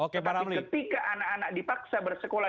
tetapi ketika anak anak dipaksa bersekolah